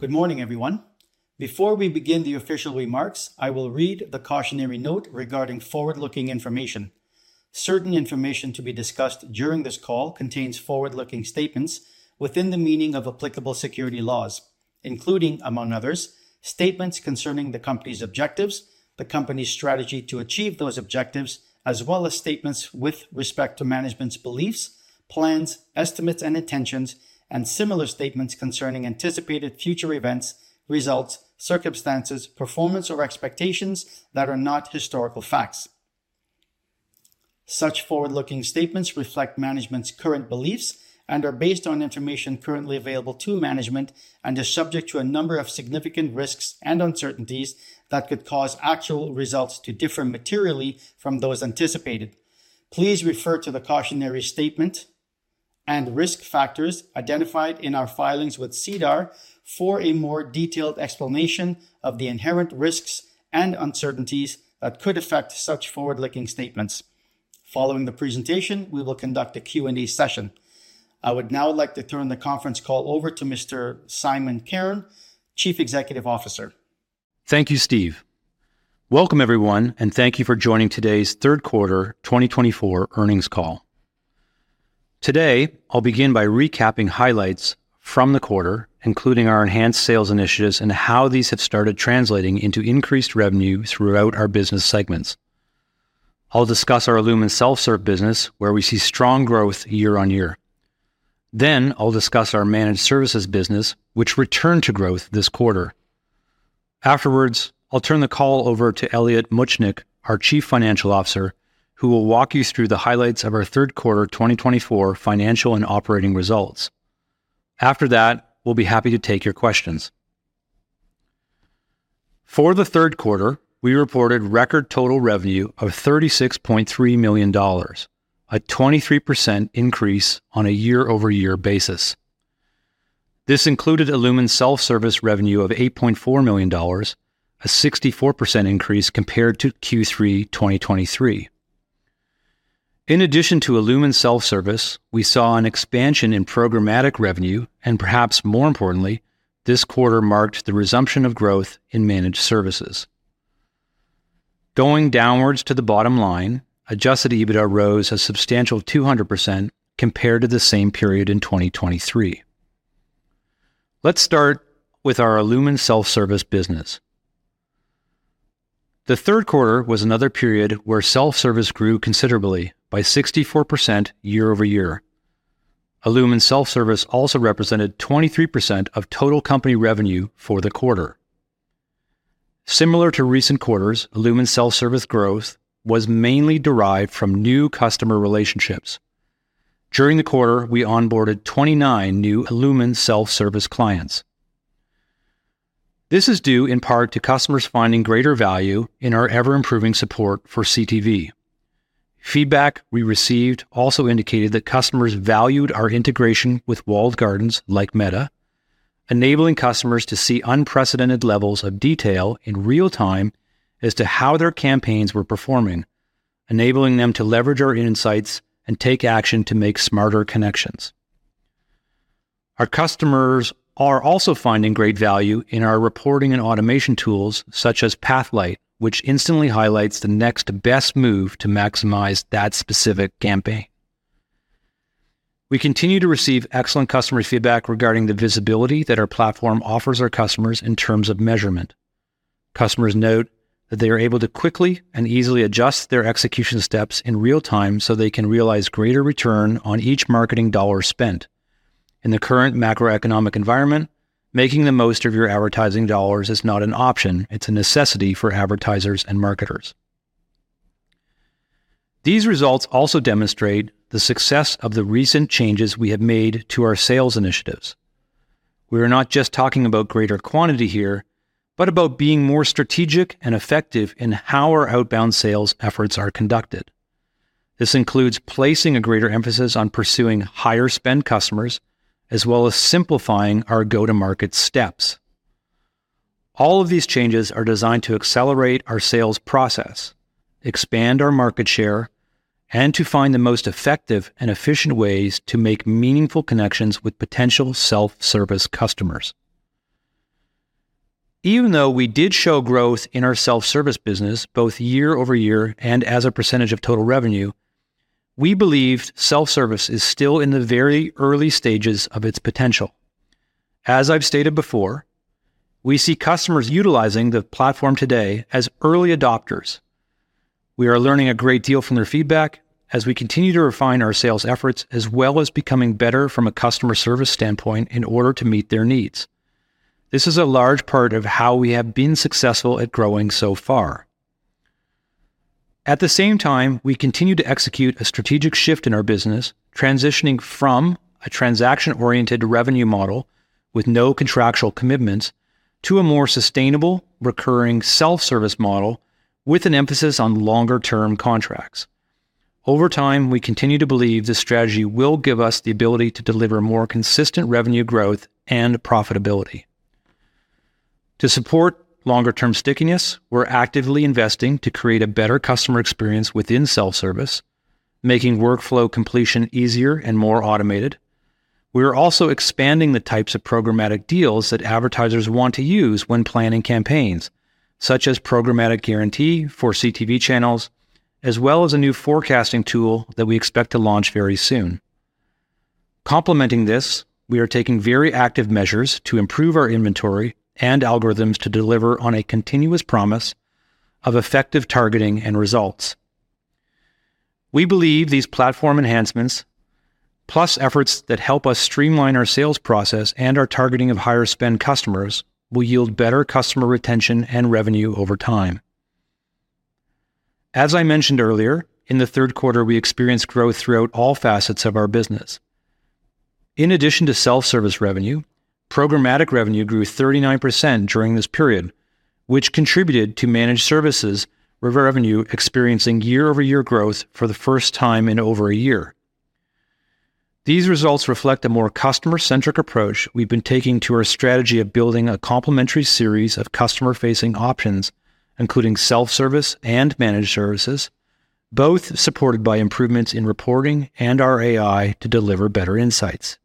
Good morning, everyone. Before we begin the official remarks, I will read the cautionary note regarding forward-looking information. Certain information to be discussed during this call contains forward-looking statements within the meaning of applicable securities laws, including, among others, statements concerning the company's objectives, the company's strategy to achieve those objectives, as well as statements with respect to management's beliefs, plans, estimates, and intentions, and similar statements concerning anticipated future events, results, circumstances, performance, or expectations that are not historical facts. Such forward-looking statements reflect management's current beliefs and are based on information currently available to management and are subject to a number of significant risks and uncertainties that could cause actual results to differ materially from those anticipated. Please refer to the cautionary statement and risk factors identified in our filings with SEDAR for a more detailed explanation of the inherent risks and uncertainties that could affect such forward-looking statements. Following the presentation, we will conduct a Q&A session. I would now like to turn the conference call over to Mr. Simon Cairns, Chief Executive Officer. Thank you, Steve. Welcome, everyone, and thank you for joining today's third quarter 2024 earnings call. Today, I'll begin by recapping highlights from the quarter, including our enhanced sales initiatives and how these have started translating into increased revenue throughout our business segments. I'll discuss our Illumin Self-Serve business, where we see strong growth year-on-year. Then, I'll discuss our Managed Services business, which returned to growth this quarter. Afterwards, I'll turn the call over to Elliot Muchnik, our Chief Financial Officer, who will walk you through the highlights of our third quarter 2024 financial and operating results. After that, we'll be happy to take your questions. For the third quarter, we reported record total revenue of 36.3 million dollars, a 23% increase on a year-over-year basis. This included Illumin Self-Serve revenue of 8.4 million dollars, a 64% increase compared to Q3 2023. In addition to Illumin Self-Serve, we saw an expansion in programmatic revenue, and perhaps more importantly, this quarter marked the resumption of growth in Managed Services. Going downwards to the bottom line, Adjusted EBITDA rose a substantial 200% compared to the same period in 2023. Let's start with our Illumin Self-Serve business. The third quarter was another period where self-service grew considerably by 64% year-over-year. Illumin Self-Serve also represented 23% of total company revenue for the quarter. Similar to recent quarters, Illumin Self-Serve growth was mainly derived from new customer relationships. During the quarter, we onboarded 29 new Illumin Self-Serve clients. This is due in part to customers finding greater value in our ever-improving support for CTV. Feedback we received also indicated that customers valued our integration with walled gardens like Meta, enabling customers to see unprecedented levels of detail in real time as to how their campaigns were performing, enabling them to leverage our insights and take action to make smarter connections. Our customers are also finding great value in our reporting and automation tools such as Pathlight, which instantly highlights the next best move to maximize that specific campaign. We continue to receive excellent customer feedback regarding the visibility that our platform offers our customers in terms of measurement. Customers note that they are able to quickly and easily adjust their execution steps in real time so they can realize greater return on each marketing dollar spent. In the current macroeconomic environment, making the most of your advertising dollars is not an option. It's a necessity for advertisers and marketers. These results also demonstrate the success of the recent changes we have made to our sales initiatives. We are not just talking about greater quantity here, but about being more strategic and effective in how our outbound sales efforts are conducted. This includes placing a greater emphasis on pursuing higher-spend customers, as well as simplifying our go-to-market steps. All of these changes are designed to accelerate our sales process, expand our market share, and to find the most effective and efficient ways to make meaningful connections with potential self-service customers. Even though we did show growth in our self-service business both year-over-year and as a percentage of total revenue, we believe self-service is still in the very early stages of its potential. As I've stated before, we see customers utilizing the platform today as early adopters. We are learning a great deal from their feedback as we continue to refine our sales efforts, as well as becoming better from a customer service standpoint in order to meet their needs. This is a large part of how we have been successful at growing so far. At the same time, we continue to execute a strategic shift in our business, transitioning from a transaction-oriented revenue model with no contractual commitments to a more sustainable, recurring self-service model with an emphasis on longer-term contracts. Over time, we continue to believe this strategy will give us the ability to deliver more consistent revenue growth and profitability. To support longer-term stickiness, we're actively investing to create a better customer experience within self-service, making workflow completion easier and more automated. We are also expanding the types of programmatic deals that advertisers want to use when planning campaigns, such as Programmatic Guaranteed for CTV channels, as well as a new forecasting tool that we expect to launch very soon. Complementing this, we are taking very active measures to improve our inventory and algorithms to deliver on a continuous promise of effective targeting and results. We believe these platform enhancements, plus efforts that help us streamline our sales process and our targeting of higher-spend customers, will yield better customer retention and revenue over time. As I mentioned earlier, in the third quarter, we experienced growth throughout all facets of our business. In addition to self-service revenue, programmatic revenue grew 39% during this period, which contributed to Managed Services revenue experiencing year-over-year growth for the first time in over a year. These results reflect a more customer-centric approach we've been taking to our strategy of building a complementary series of customer-facing options, including self-service and Managed Services, both supported by improvements in reporting and our AI to deliver better insights.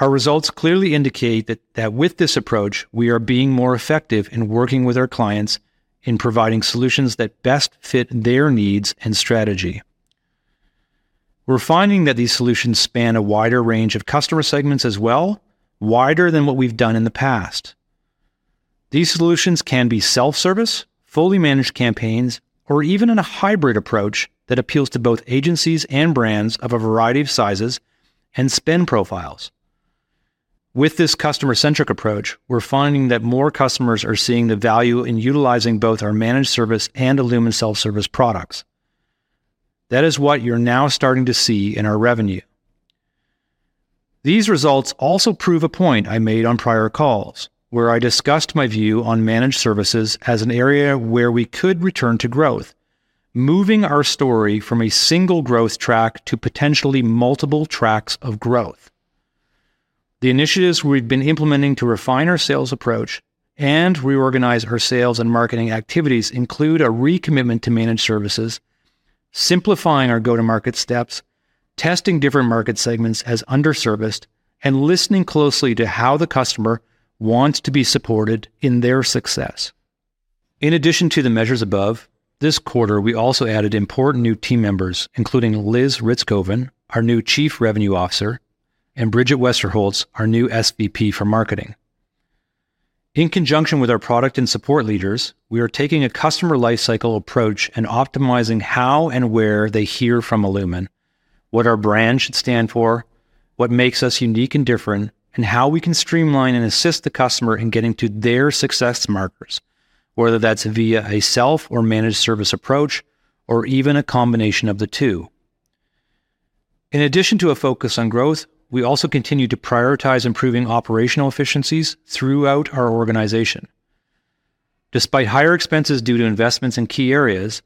Our results clearly indicate that with this approach, we are being more effective in working with our clients in providing solutions that best fit their needs and strategy. We're finding that these solutions span a wider range of customer segments as well, wider than what we've done in the past. These solutions can be self-service, fully managed campaigns, or even in a hybrid approach that appeals to both agencies and brands of a variety of sizes and spend profiles. With this customer-centric approach, we're finding that more customers are seeing the value in utilizing both our Managed Services and Illumin Self-Serve products. That is what you're now starting to see in our revenue. These results also prove a point I made on prior calls, where I discussed my view on Managed Services as an area where we could return to growth, moving our story from a single growth track to potentially multiple tracks of growth. The initiatives we've been implementing to refine our sales approach and reorganize our sales and marketing activities include a recommitment to Managed Services, simplifying our go-to-market steps, testing different market segments as underserviced, and listening closely to how the customer wants to be supported in their success. In addition to the measures above, this quarter, we also added important new team members, including Liz Ritzcovan, our new Chief Revenue Officer, and Brigid Westerholz, our new SVP for Marketing. In conjunction with our product and support leaders, we are taking a customer lifecycle approach and optimizing how and where they hear from Illumin, what our brand should stand for, what makes us unique and different, and how we can streamline and assist the customer in getting to their success markers, whether that's via a self- or Managed Service approach, or even a combination of the two. In addition to a focus on growth, we also continue to prioritize improving operational efficiencies throughout our organization. Despite higher expenses due to investments in key areas,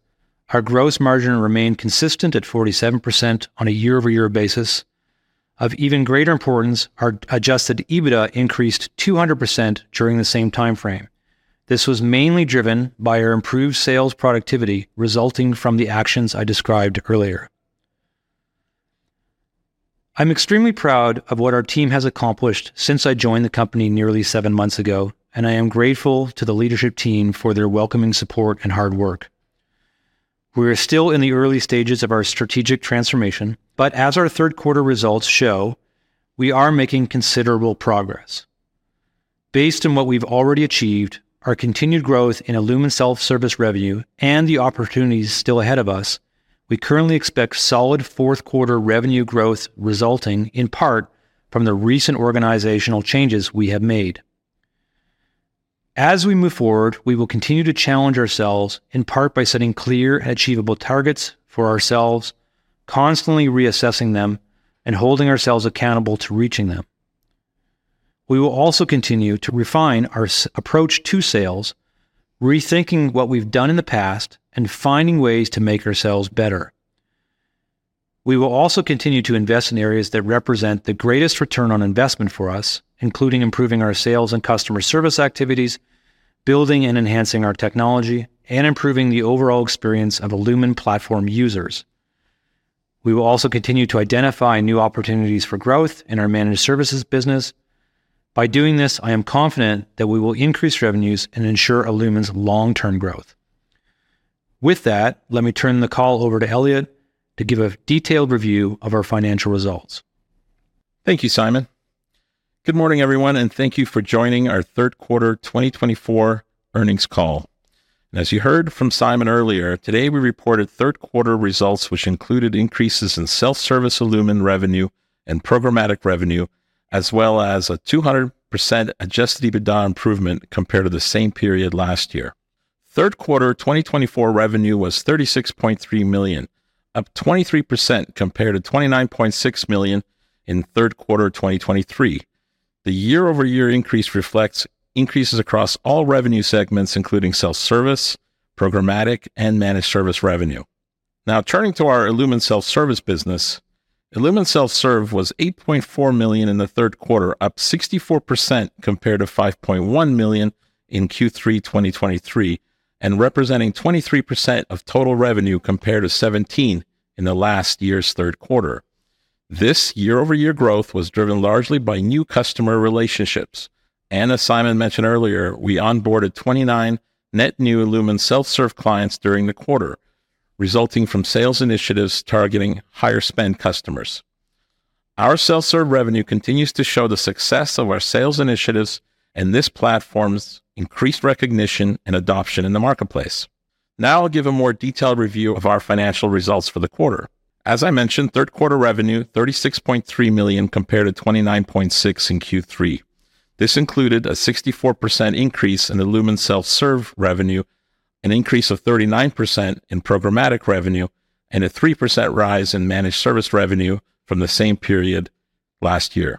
our gross margin remained consistent at 47% on a year-over-year basis. Of even greater importance, our Adjusted EBITDA increased 200% during the same timeframe. This was mainly driven by our improved sales productivity resulting from the actions I described earlier. I'm extremely proud of what our team has accomplished since I joined the company nearly seven months ago, and I am grateful to the leadership team for their welcoming support and hard work. We are still in the early stages of our strategic transformation, but as our third quarter results show, we are making considerable progress. Based on what we've already achieved, our continued growth in Illumin Self-Serve revenue, and the opportunities still ahead of us, we currently expect solid fourth quarter revenue growth resulting in part from the recent organizational changes we have made. As we move forward, we will continue to challenge ourselves, in part by setting clear and achievable targets for ourselves, constantly reassessing them, and holding ourselves accountable to reaching them. We will also continue to refine our approach to sales, rethinking what we've done in the past and finding ways to make ourselves better. We will also continue to invest in areas that represent the greatest return on investment for us, including improving our sales and customer service activities, building and enhancing our technology, and improving the overall experience of Illumin platform users. We will also continue to identify new opportunities for growth in our Managed Services business. By doing this, I am confident that we will increase revenues and ensure Illumin's long-term growth. With that, let me turn the call over to Elliot to give a detailed review of our financial results. Thank you, Simon. Good morning, everyone, and thank you for joining our third quarter 2024 earnings call. As you heard from Simon earlier, today we reported third quarter results, which included increases in self-service Illumin revenue and programmatic revenue, as well as a 200% Adjusted EBITDA improvement compared to the same period last year. Third quarter 2024 revenue was 36.3 million, up 23% compared to 29.6 million in third quarter 2023. The year-over-year increase reflects increases across all revenue segments, including self-service, programmatic, and Managed Services revenue. Now, turning to our Illumin Self-Serve business, Illumin Self-Serve was 8.4 million in the third quarter, up 64% compared to 5.1 million in Q3 2023, and representing 23% of total revenue compared to 17% in last year's third quarter. This year-over-year growth was driven largely by new customer relationships, as Simon mentioned earlier. We onboarded 29 net new Illumin Self-Serve clients during the quarter, resulting from sales initiatives targeting higher-spend customers. Our self-serve revenue continues to show the success of our sales initiatives and this platform's increased recognition and adoption in the marketplace. Now I'll give a more detailed review of our financial results for the quarter. As I mentioned, third quarter revenue was 36.3 million compared to 29.6 million in Q3. This included a 64% increase in Illumin Self-Serve revenue, an increase of 39% in programmatic revenue, and a 3% rise in Managed Service revenue from the same period last year.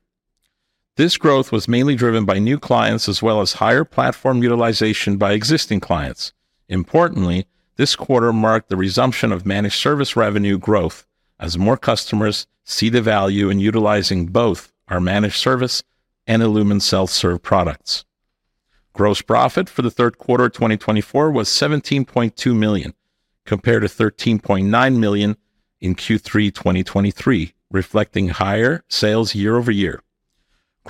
This growth was mainly driven by new clients as well as higher platform utilization by existing clients. Importantly, this quarter marked the resumption of Managed Service revenue growth as more customers see the value in utilizing both our Managed Service and Illumin Self-Serve products. Gross profit for the third quarter 2024 was 17.2 million compared to 13.9 million in Q3 2023, reflecting higher sales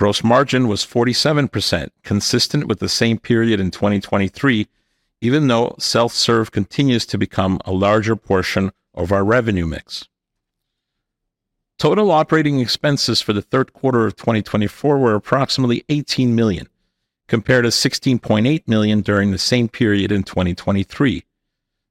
year-over-year. Gross margin was 47%, consistent with the same period in 2023, even though self-serve continues to become a larger portion of our revenue mix. Total operating expenses for the third quarter of 2024 were approximately 18 million compared to 16.8 million during the same period in 2023.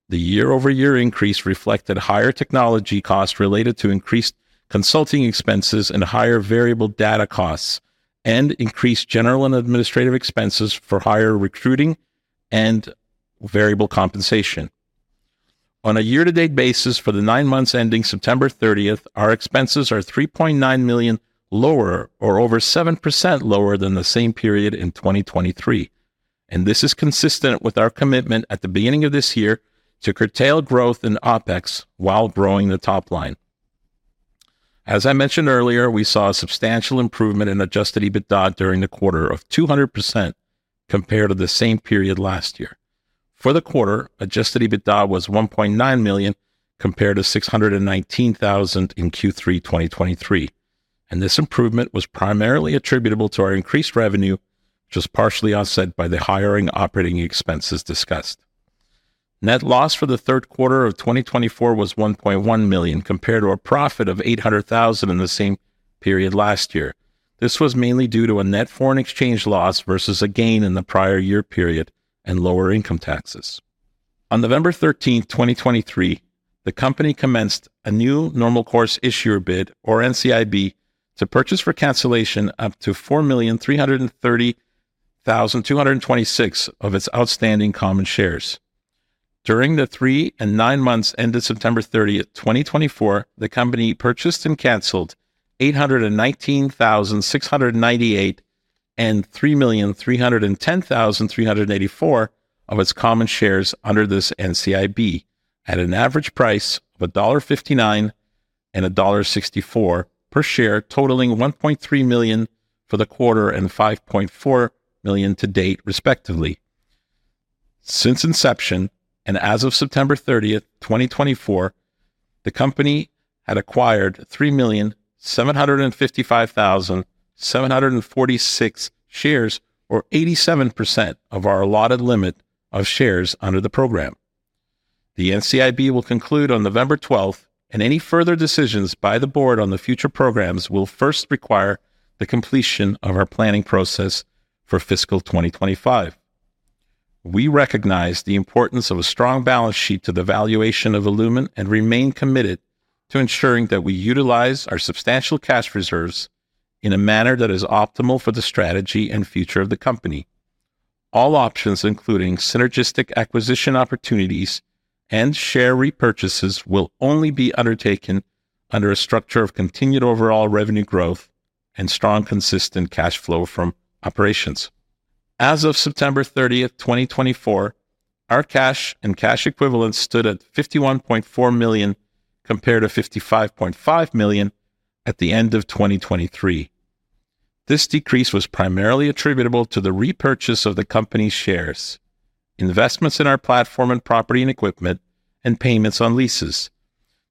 The year-over-year increase reflected higher technology costs related to increased consulting expenses and higher variable data costs, and increased general and administrative expenses for higher recruiting and variable compensation. On a year-to-date basis for the nine months ending September 30th, our expenses are 3.9 million lower or over 7% lower than the same period in 2023. And this is consistent with our commitment at the beginning of this year to curtail growth in OpEx while growing the top line. As I mentioned earlier, we saw a substantial improvement in Adjusted EBITDA during the quarter of 200% compared to the same period last year. For the quarter, Adjusted EBITDA was 1.9 million compared to 619,000 in Q3 2023. This improvement was primarily attributable to our increased revenue, which was partially offset by the higher operating expenses discussed. Net loss for the third quarter of 2024 was 1.1 million compared to a profit of 800,000 in the same period last year. This was mainly due to a net foreign exchange loss versus a gain in the prior year period and lower income taxes. On November 13th, 2023, the company commenced a new normal course issuer bid, or NCIB, to purchase for cancellation up to 4,330,226 of its outstanding common shares. During the three and nine months ended September 30th, 2024, the company purchased and canceled 819,698 and 3,310,384 of its common shares under this NCIB at an average price of dollar 1.59 and dollar 1.64 per share, totaling 1.3 million for the quarter and 5.4 million to date, respectively. Since inception and as of September 30th, 2024, the company had acquired 3,755,746 shares, or 87% of our allotted limit of shares under the program. The NCIB will conclude on November 12th, and any further decisions by the board on the future programs will first require the completion of our planning process for fiscal 2025. We recognize the importance of a strong balance sheet to the valuation of Illumin and remain committed to ensuring that we utilize our substantial cash reserves in a manner that is optimal for the strategy and future of the company. All options, including synergistic acquisition opportunities and share repurchases, will only be undertaken under a structure of continued overall revenue growth and strong, consistent cash flow from operations. As of September 30th, 2024, our cash and cash equivalents stood at 51.4 million compared to 55.5 million at the end of 2023. This decrease was primarily attributable to the repurchase of the company's shares, investments in our platform and property and equipment, and payments on leases.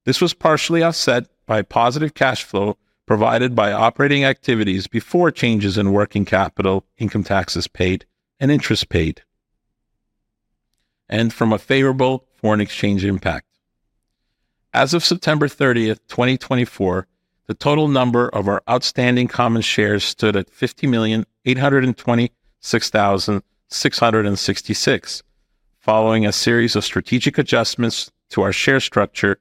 This was partially offset by positive cash flow provided by operating activities before changes in working capital, income taxes paid, and interest paid, and from a favorable foreign exchange impact. As of September 30th, 2024, the total number of our outstanding common shares stood at 50,826,666, following a series of strategic adjustments to our share structure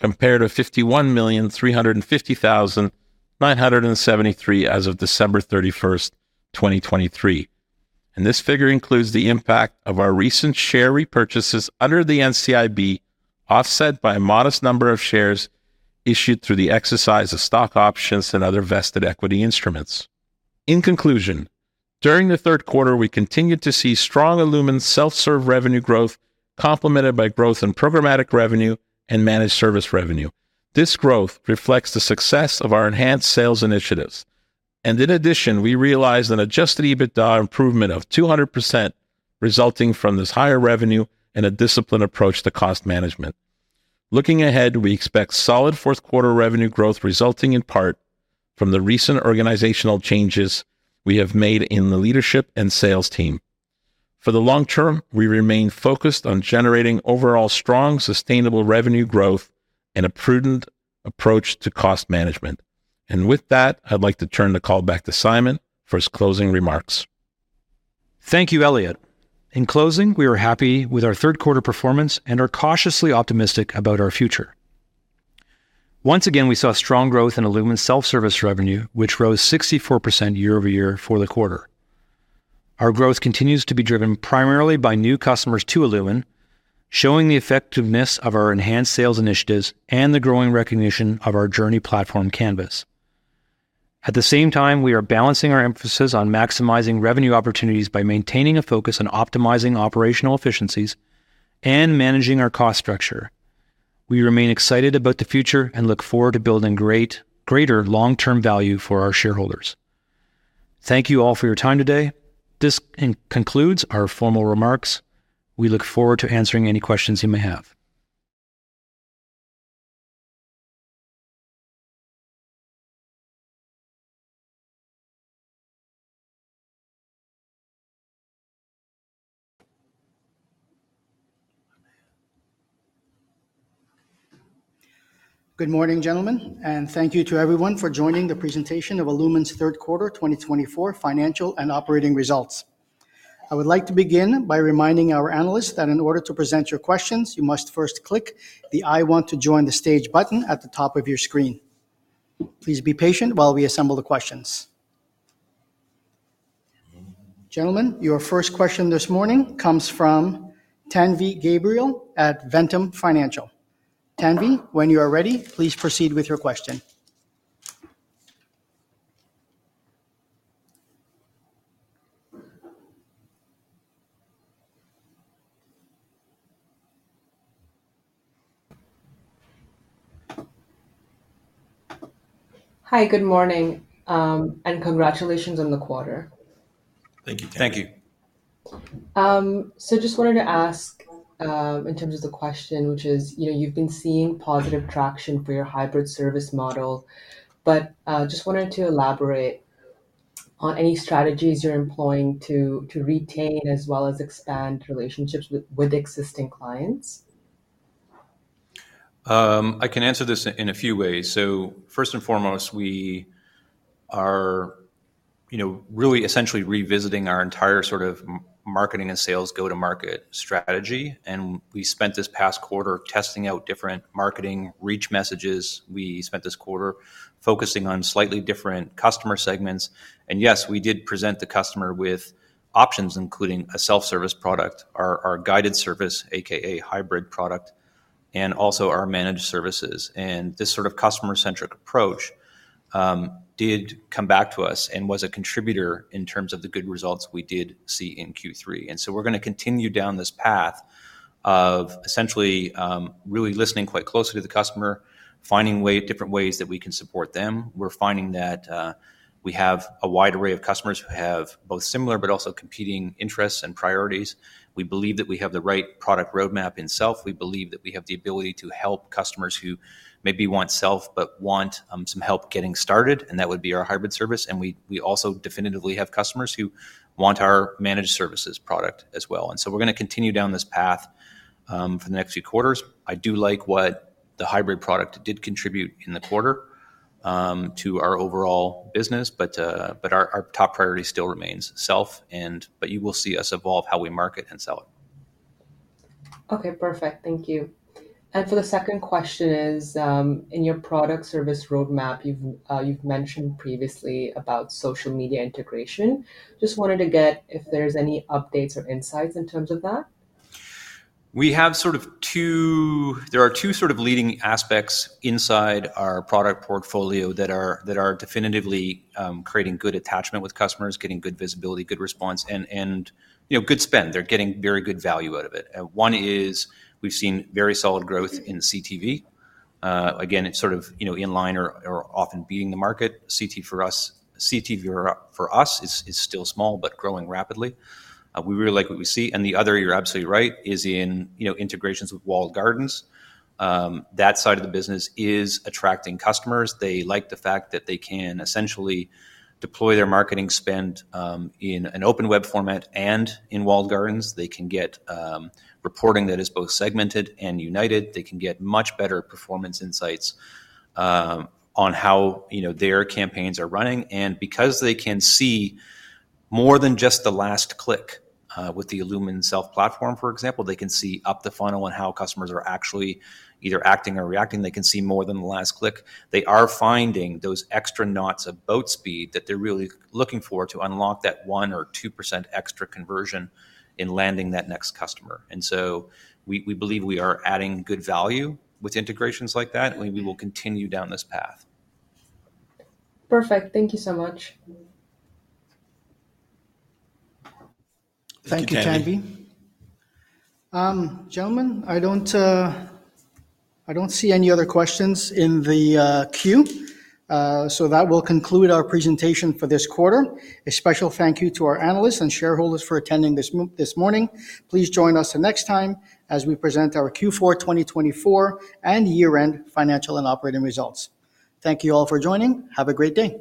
compared to 51,350,973 as of December 31st, 2023. And this figure includes the impact of our recent share repurchases under the NCIB, offset by a modest number of shares issued through the exercise of stock options and other vested equity instruments. In conclusion, during the third quarter, we continued to see strong Illumin Self-Serve revenue growth, complemented by growth in programmatic revenue and Managed Service revenue. This growth reflects the success of our enhanced sales initiatives, and in addition, we realized an Adjusted EBITDA improvement of 200%, resulting from this higher revenue and a disciplined approach to cost management. Looking ahead, we expect solid fourth quarter revenue growth, resulting in part from the recent organizational changes we have made in the leadership and sales team. For the long term, we remain focused on generating overall strong, sustainable revenue growth and a prudent approach to cost management, and with that, I'd like to turn the call back to Simon for his closing remarks. Thank you, Elliot. In closing, we are happy with our third quarter performance and are cautiously optimistic about our future. Once again, we saw strong growth in Illumin Self-Serve revenue, which rose 64% year-over-year for the quarter. Our growth continues to be driven primarily by new customers to Illumin, showing the effectiveness of our enhanced sales initiatives and the growing recognition of our journey platform, Canvas. At the same time, we are balancing our emphasis on maximizing revenue opportunities by maintaining a focus on optimizing operational efficiencies and managing our cost structure. We remain excited about the future and look forward to building greater long-term value for our shareholders. Thank you all for your time today. This concludes our formal remarks. We look forward to answering any questions you may have. Good morning, gentlemen, and thank you to everyone for joining the presentation of Illumin's third quarter 2024 financial and operating results. I would like to begin by reminding our analysts that in order to present your questions, you must first click the "I want to join the stage" button at the top of your screen. Please be patient while we assemble the questions. Gentlemen, your first question this morning comes from Tanvi Gabriel at Ventum Financial. Tanvi, when you are ready, please proceed with your question. Hi, good morning, and congratulations on the quarter. Thank you. Thank you. Just wanted to ask in terms of the question, which is, you've been seeing positive traction for your hybrid service model, but just wanted to elaborate on any strategies you're employing to retain as well as expand relationships with existing clients? I can answer this in a few ways, so first and foremost, we are really essentially revisiting our entire sort of marketing and sales go-to-market strategy, and we spent this past quarter testing out different marketing reach messages. We spent this quarter focusing on slightly different customer segments, and yes, we did present the customer with options, including a self-service product, our guided service, a.k.a. hybrid product, and also our managed services, and this sort of customer-centric approach did come back to us and was a contributor in terms of the good results we did see in Q3, and so we're going to continue down this path of essentially really listening quite closely to the customer, finding different ways that we can support them. We're finding that we have a wide array of customers who have both similar but also competing interests and priorities. We believe that we have the right product roadmap in Self-Serve. We believe that we have the ability to help customers who maybe want Self-Serve but want some help getting started, and that would be our Hybrid Service, and we also definitively have customers who want our Managed Services product as well, and so we're going to continue down this path for the next few quarters. I do like what the Hybrid product did contribute in the quarter to our overall business, but our top priority still remains Self-Serve, but you will see us evolve how we market and sell it. Okay, perfect. Thank you. And for the second question is, in your product service roadmap, you've mentioned previously about social media integration. Just wanted to get if there's any updates or insights in terms of that. We have sort of two, there are two sort of leading aspects inside our product portfolio that are definitively creating good attachment with customers, getting good visibility, good response, and good spend. They're getting very good value out of it. One is we've seen very solid growth in CTV. Again, it's sort of in line or often beating the market. CTV for us is still small, but growing rapidly. We really like what we see. And the other, you're absolutely right, is in integrations with walled gardens. That side of the business is attracting customers. They like the fact that they can essentially deploy their marketing spend in an open web format and in walled gardens. They can get reporting that is both segmented and united. They can get much better performance insights on how their campaigns are running. Because they can see more than just the last click with the Illumin Self-Serve platform, for example, they can see up the funnel on how customers are actually either acting or reacting. They can see more than the last click. They are finding those extra knots of boat speed that they're really looking for to unlock that 1% or 2% extra conversion in landing that next customer. So we believe we are adding good value with integrations like that, and we will continue down this path. Perfect. Thank you so much. Thank you, Tanvi. Gentlemen, I don't see any other questions in the queue, so that will conclude our presentation for this quarter. A special thank you to our analysts and shareholders for attending this morning. Please join us next time as we present our Q4 2024 and year-end financial and operating results. Thank you all for joining. Have a great day.